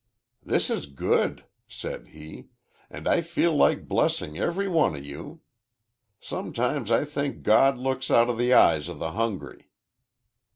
"This is good," said he, "and I feel like blessing every one of you. Sometimes I think God looks out of the eyes of the hungry."